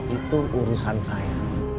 itu urusan saya